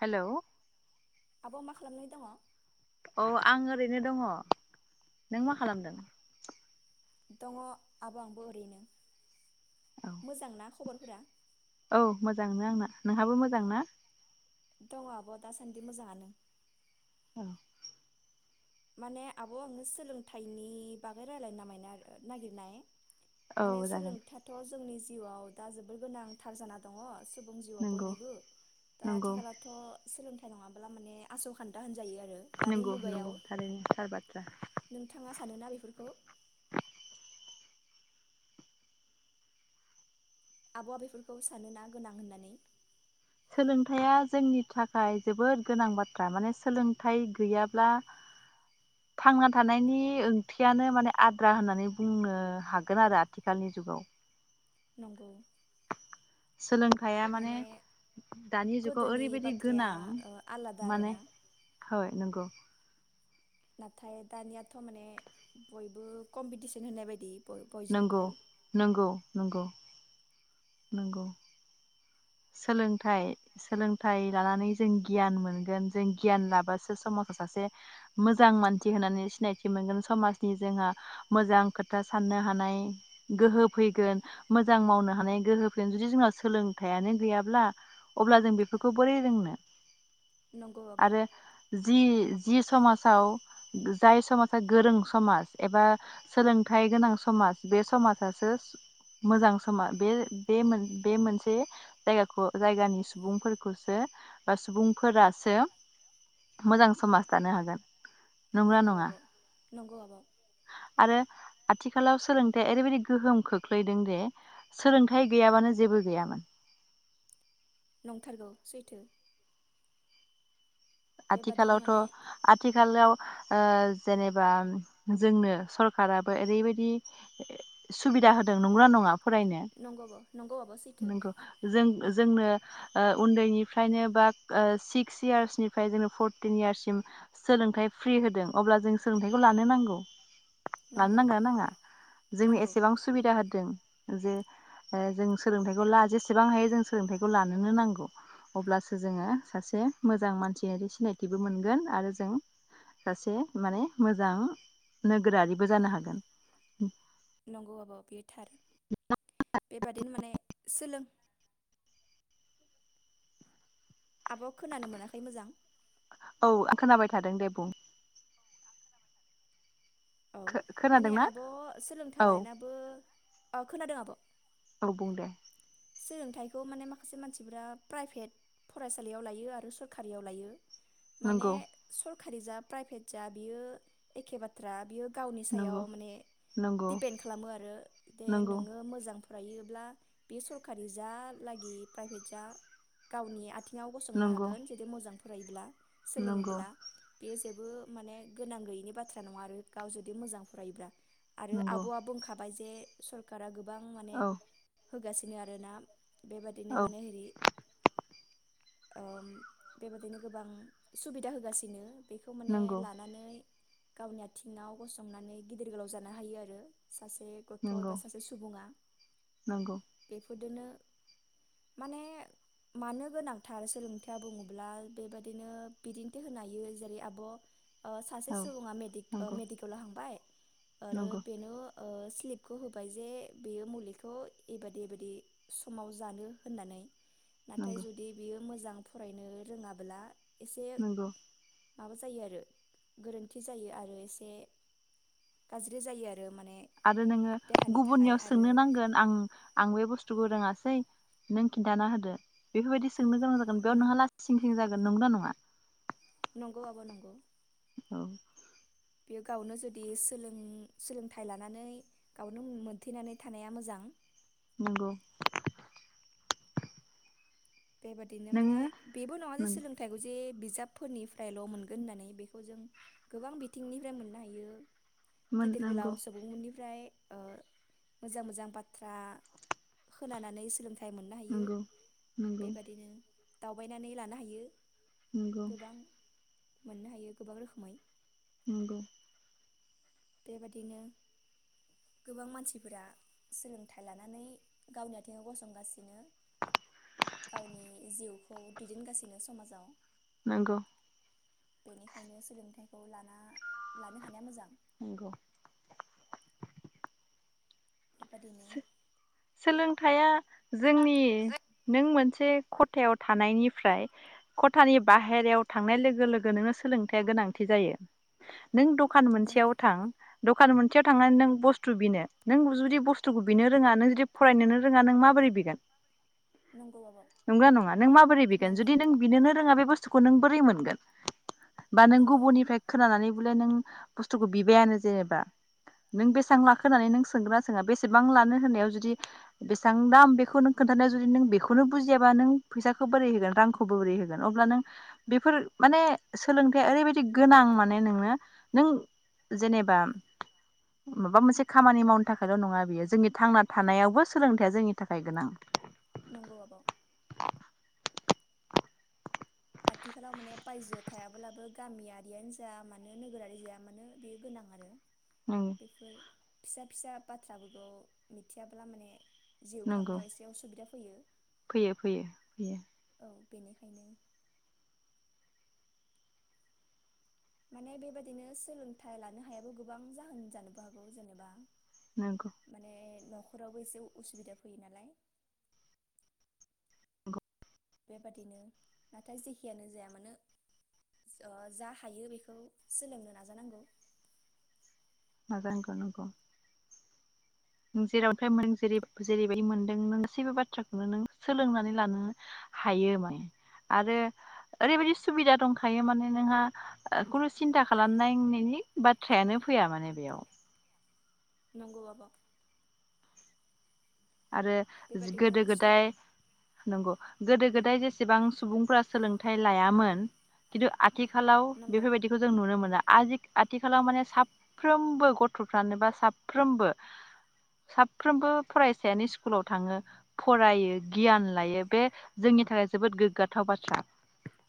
Hello आब' मा खालामनाय दङ? औ आं ओरैनो दङ नों मा खालामदों? दङ आब' आंबो ओरैनो। औ मोजांना खबरफोरा? औ मोजांनो आंना। नोंहाबो मोजां ना? दं आब' दासान्दि मोजाङानो। औ माने आब' आङो सोलोंथाइनि बागै रायलायनो नामायनो आरो नागिरनाय। औ माने जागोन सोलोंथाथ' जोंनि जिउआव दा जोबोर गोनांथार जाना दङ सुबु बुं जिउआव नंगौ बयनिबो दा नंगौ आथिखालावथ' सोलों थाइ नङाबोला माने आस'खान्दा होन जायो आरो दानि नंगौ नंगौ मुगायाव। थारैनो थार बाथ्रा नोंथाङा सानोना बेफोरखौ? आब'आ बेफोरखौ सानोना गोनां होननानै? सोलोंथाइया जोंनि थाखाय जोबोद गोनां बाथ्रा माने सोलोंथाइ गैयाब्ला थांना थानायनि ओंथियानो माने आद्रा होननानै बुंनो हागोन आरो आथिखालनि जुगाव। नंगौ। सोलोंथाइया माने दानि जुगाव गोदोनि ओरैबायदि बाथ्राया गोनां ओ आलादा माने आरोना हय नंगौ। नाथाय दानियाथ' माने बयबो कम्पिटिसन होननाय बायदि। बयजोंबो नोंगौ नोंगौ नोंगौ नोंगौ सोलोंथाइ सोलोंथाइ लानानै जों गियान मोनगोन जों गियान लाबासो समाजाव सासे मोजां मानसि होननानै सिनायथि मोनगोन समाजनि जोंहा मोजां खोथा साननो हानाय गोहो फैगोन मोजां मावनो हानाय गोहो फैगोन जुदि जोंनाव थायानो गैयाब्ला अब्ला जों बेफोरखौ बोरै रोंनो नंगौ आब' आरो जि जि समाजाव जाय समाजा गोरों समाज एबा सोलोंथाइ गोनां समाज बे समाजासो मोजां समाज बे मोन बे मोनसे जायाखौ जायगानि सुबुंफोरखौसो बा सुबुं फोरासो मोजां समाज दानो हागोन नंगोना नंगौ नंङा? आब' नंगौ आब' आरो आथिखालाव सोलों थाया ओरैबायदि गोहोम खोख्लैदों दे सोलोंथाय गैयाबानो जेबो गैयामोन नंथारगौ सैथो बेबादिनो आथिखालावथ' माने आथिखालाव ओ जेनेबा जोंनो सरखाराबो ओरैबायदि सुबिदा होदों नंगोना नंङा फरायनो नंगौ आब' नंगौ आब' सैथो नंगौ जों जोंनो ओ उन्दैनिफ्रायनो बा ओ सिक्स इयार्सनि फ्राय जोंनो फरटिन इयार्ससिम सोलोंथाइ फ्रि होदों अब्ला जों सोलोंथाइखौ लानो नांगौ। लानो नंगौ नांगोना नांङा जोंनि नांगौ एसेबां सुबिदा हो जों जे ओ जों सोलोंथाइखौ ला जेसेबां हायो जों सोलोंथाइखौ लानोनो नांगौ अब्लासो जोंङो सासे मोजां मानसि दियारि सिनायथिबो मोनगोन आरो जों सासे माने मोजां नोगोरारिबो जानो हागोन। नंगौ आब' बियो थार बेबादिनो माने सोलों आब' खोनानो मोनाखै मोजां औ आं खोनाबाय थादों दे बुं औ माने खोनादोंना आब' सोलोंथा औ लानायाबो औ खोनादों आब' औ बुं दे सोलोंथाइखौ माने माखासे मानसिफोरा प्राइभेट फरायसालियाव लायो आरो सरखारियाव लायो। माने नंगौ सर खारि जा प्राइभेट जा बियो एखे बाथ्रा बियो गावनि नंगौ सायाव माने नंगौ दिपेन्ड खालामो आरो दे नंगौ नोंङो मोजां फरायोब्ला बे सरखारि जा लागि प्राइभेट जा गावनि आ थिंङाव गसंनो नंगौ हागोन जुदि मोजां फरायोब्ला नंगौ सोलोंङोब्ला बेयो जे बो माने गोनां गैयैनि बाथ्रा नङा आरो गाव जुदि मोजां फरायोब्ला आरो नंगौ आब'आ बुंखाबाय जे सरकारा गोब गोबां माने औ होगासिनो आरोना बेबादिनो औ माने हिरि ओ-म बेबादिनो गोबां सुबिदा होगासिनो। बेखौ माने नंगौ लानानै। गावनि आथिंआव गसंनानै गिदिर गोलाव जानो हायो आरो सासे गथ नंगौ बा सासे सुबुङा। नंगौ बेफोरदोनो माने मानो गोनांथार सोलोंथाया बुङोब्ला बेबदिनो बिदिन्थि होनो हायो जेरै आब ओ औ सासे सुबुङा मेडि ओ नंगौ मेडिकलाव हांबाय। आरो नंगौ बेनो ओ स्लिपखौ होबाय जे बेयो मुलिखौ। एबायदि एबायदि समाव जानो होननानै। नाथाय नंगौ जुदि बियो मोजां फरायनो रोङाब्ला एसे नंगौ माबा जायो आरो गोरोन्थि जायो आरो एसे गाज्रि जायो आरो। माने आरो नोङो देहानि थाखाय गुबुननियाव आरो सोंनो नांगोन आं आं बे बुस्थुखौ रोङासै नों खिन्थाना होदो बेफोरबायदि सोंनो गोनां जागोन बेयाव न नोंहा लासिं जागोन नंगोना नङा नंगौ आब नंगौ औ बे गावनो जुदि सोलों सोलोंथाइ लानानै गावनो मोनथेनानै थानाया मोजां। नंगौ बेबादिनो नोङो माने बेबो नङा जे नों सोलोंथाइखौ जे। बिजाबफोरनिफ्रायल मोनगोन होननानै बेखौ जों गोबां बिथिंनिफ्राय मोननो हायो। मोन गिदिर गोलाव नंगौ सुबुंमोननिफ्राय। ओ मोजां-मोजां बाथ्रा होनानानै सोलोंथाय। मोननो हायो नंगौ नंगौ बेबादिनो दावबायनानै लानो हायो। नंगौ गोबां मोननो हायो गोबां रोखोमै। नोंगौ बेबादिनो गोबां मानसिफोरा सोलोंथाइ लानानै गावनि आथिङाव गसंगासिनो गावनि जिउखौ दैदेनगासिनो समाजाव नोंगौ बेनिखायनो सोलोंथाइखौ लाना लानो हानाया मोजां नोंगौ [inaudible] बेबादिनो सो सोलोंथाया जोंनि नों मोन [inaudible] खथायाव थानायनिफ्राय खथानि बाहेरायाव थांनाय लोगो लोगो नोङो सोलोंथाइया गोनांथि जायो [unintelligible] नों दखान नंगौ मोनसेयाव थां दखान मोनसेयाव थांनानै नों बुस्थु बिनो नों जुदि बुस थुखौनो रोङा नों जुदि फरायनोनो रोङा नों माबोरै बिगोन नंगौ आबौ नंगौना नङा नों माबोरै बिगोन नंगौ जुदि नों बिनोनो रोङा बे बुस [inaudible] नों बोरै मोनगोन बा नों नंगौ गुबुननिफ्राय खोनानानै बले नों बुस्थुखौ बिबायानो जेनेबा नों बेसां लाखो होनानै नों सोंगोन ना सोङा बेसे बेसेबां लानो होनायाव जुदि बेसांबां बेखौ नों खोन्थानायाव जुदि नों बेखौनो बुजियाबा नों फैसाखौ बोरै होगोन रांखौ बोरै होगोन अब्ला नों बेफोर माने सोलोंथाइया ओरैबायाददि गोनां माने नोंनो नों जेनेबा माबा मोनसे खामानि मावनो थाखायल' नङा नुयो जोंनि थांना थानायावबो सोलोंथाइया जोंनि थाखाय गोनां [inaudible] नंगौ आबौ आथिखालाव माने बायजो थायाब्लाबो गामियारियानो जा मानो नोगोरारि जा मानो बेयो गोनां आरो बेफोर फिसा फिसा बाथ्राफोरखौ मिथियाब्ला माने जिउ नंगौ खांनायाव एसे उसुबिदा फैयो फैयो फैयो फैयो औ बेनिखायनो माने बेबायदिनो सोलोंथाइ लानो हायाबो गोबां जाहोन जानोबो हागौ जेनेबा नोंगौ माने न'खरावबो एसे उसुबिदा फैयो नालाय- नंगौ बेबादिनो नाथाय जेखियानो जाया मानो ओ जा हायो बेखौ सोलोंनो नाजानांगौ। नाजानांगौ नंगौ जेराव [inaudible] मोन जैरै जेरैबायदि मोनदों नों गासिबो बाथ्राखौनो नों सोलोंनानै लानो हायो माने आरो ओरैबायाददि सुबिदा दंखायो माने नोंहा ओ खुनु सिन्था खालामनांनायनि बाथ्रायानो फैया माने बेयाव नंगौ आब' आरो [unintelligible] बेबादिनो गोदो सर गोदाय नंगौ गोदो गोदाय। [inaudible] जेसेबां सुबुंफोरा सोलोंथाइ लायामोन खिन्थु आथिखालाव नंगौ बेफोरबायदिखौ जों नुनो मोना। आजि आथिखालाव माने साफ्रोमबो गथ'फ्रानोबा साफ्रोमबो साफ्रोमबो फराय- [inaudible] स्कुलाव थाङो फरायो गियान लायो बे जोंनि थाखाय जोबोद गोग्गाथाव बाथ्रा,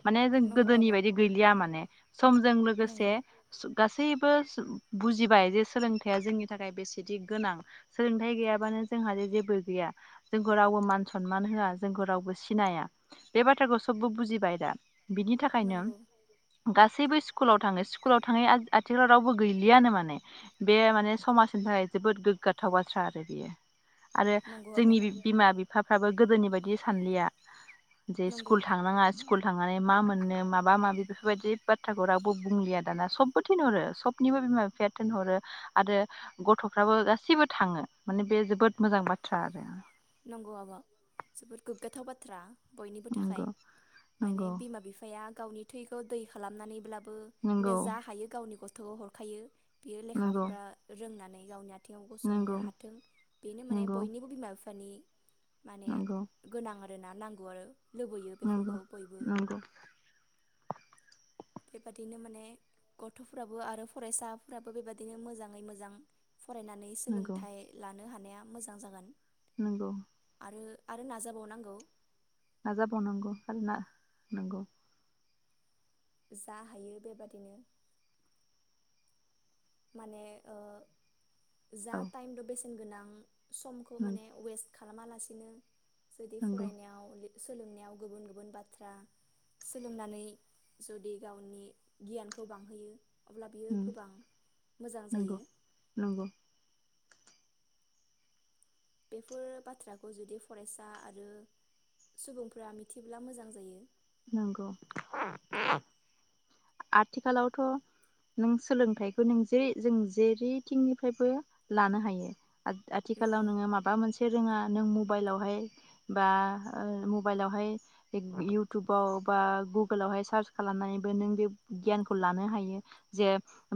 माने जों नंगौ गोदोनि आब' बायदि गैलिया माने। समजों लोगोसे नंगौ सु गासै- [unintelligible] बुजिबाय जे सोलोंथाइया जोंनि थाखाय बेसेदि गोनां सोलोंथाइ गैयाबानो- जोंहा जे जेबो गैया जोंखौ रावबो मान सनमान होआ जोंखौ रावबो सिनाया बे बाथ्राखौ सबबो बुजिबाय दा। बिनि थाखायनो नंगौ गा सैबो स्कुलाव थाङो स्कुलाव थाङै आ आथिखालाव रावबो गैलियानो माने बे माने समाजनि थाखाय जोबोद गोग्गाथाव बाथ्रा आरो बियो आरो नंगौ आब' जोंनि बि बिमा बि फाफ्राबो गोदोनि बायदि सानलिया। जे नंगौ स्कुल थांनाङा स्कुल थांनानै मा मोननो माबा माबि बेफोरबायदि बाथ्राखौ रावबो बुंलिया दाना सबबो थिनहरो सबनिबो बिमा बिफाया थोनहरो आरो गथ'फ्राबो गासिबो थाङो माने बेज बोद मोजां बाथ्रा आरो। नंगौ आब' जोबोद गोग्गाथाव बाथ्रा। बयनिबो थाखाय नंगौ माने नंगौ बिमा बिफाया गावनि थैखौ दै खालामनानैब्लाबो नंगौ [unintelligible] जा हायो गावनि गथ थ' हरखायो बियो लेखा नंगौ फ'रा रोंनानै [unintelligible] गसंनो नंगौ हाथों बेनो माने नंगौ बयनिबो बिमा बिफ बानि माने नंगौ गोनां [unintelligible] ना नांगौ आरो लुबैयो बेफोरखौ नंगौ बयबो- नंगौ बेबादिनो माने गथ'फ्राबो आरो फरायसाफोराबो बेबायदिनो मोजाङै मोजां- फरायनानै नंगौ सोलोंथाइ लानो हायो। माया मोजां जागोन नोंगौ आरो आरो नाजाबावनांगौ। नाजाबावनांगौ आरो ना नोंगौ। जा हायो बेबादिनो माने ओ जा औ टाइम दो बेस गुनगोनां समखौ नंगौ माने वेस्ट खालामालासिनो जुदि नंगौ फरायनायाव लि सोलोंनायाव गुबुन गुबुन बाथ्रा सोलोंनानै जुदि गावनि गियानखौ बांहोयो अब्ला बियो गोबां मोजां जायो नंगौ नंगौ। बेफोर बाथ्राखौ जुदि फरायसा आरो सुबुंफोरा मिथिब्ला मोजां जायो। नंगौ आथिखालावथ' नों सोलोंथाइखौ नों जे जों जेरैथिंनिफ्रायबो लानो हायो। आथिखालाव नंगौ नोङो माबा मोनसे रोङा नों मबाइलावहाय बा ओ मबाइलावहाय इउ‌ टुबाव बा गुगोलावहाय सार्च खालामनानैबो नों बे गियानखौ लानो हायो जे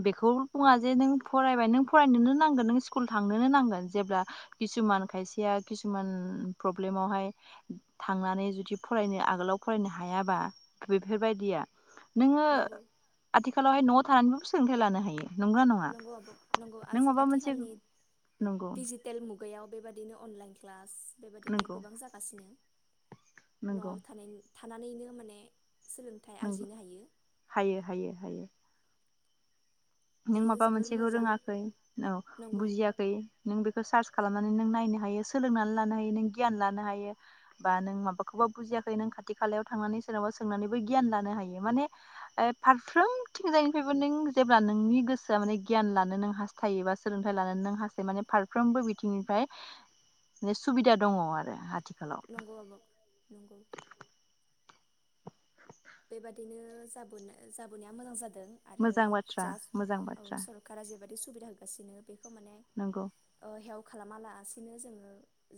बेखौ बुङा जे नों फरायबाय नों फरायनोनो नांगोन नों स्कुल थांनोनो नांगोन जेब्ला किसुमान खायसेया किसुमान प्रब्लेमावहाय थांनानै जुदि फरायनो आगोलाव फरायनो हायाबा बेफोरबायदिया नोङो नंगौ आथिखालावहाय न' थानानैबो सोलोंथाइ लानो हायो। नंगौना नङा नंगौ आब' नंगौ नों आजि माबा मोनसे आथिखालनि नंगौ डिजीटेल मुग गायाव बेबायदिनो अनलाइन क्लास बेबादिनो नंगौ गोबां जागासिनो। न'आवबो थानायनि थानानैनो माने सोलोंथाइ नोंगौ आरजिनो हायो हायो हायो हायो। नों बियो माबा जोबोर मोनसेखौ मोजां रोङाखै औ नंगौ बुजियाखै नों बे सार्च खालामनानै नों नायनो हायो सोलोंनानै लानो हायो नों गियान लानो हायो बा नों माबाखौबा बुजियाखै नों खाथि खालायाव थांनानै सोरनावबा सोंनानैबो गियान लानो हायो माने ओ फारफ्रोमथिंजायनिफ्रायबो नों जेब्ला नों नोंनि गोसोआ माने गियान लानो नों हास्थायोबा सोलोंथाइ लानो नों हास्थायो माने फारफ्रामबो बिथिंनिफ्राय बे सुबिदा दङ आरो आथि नंगौ आब' नंगौ। बेबादिनो जाबोनो जाबोनाया मोजां जा दों आरो मोजां बाथ्रा जास्ट मोजां औ बाथ्रा सरकारा जे नंगौ [inaudible] [inaudible] खालामालासिनो जोङो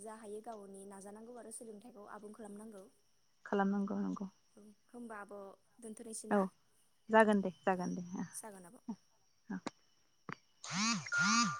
जा हायो गावनि नाजानांगौ आरो सोलोंथाइखौ आबुं खालामनांगौ। खालामनांगौ नंगौ। होमबाबो औ जागोन दे औ जागोन दे। जागोन आब' [unintelligible]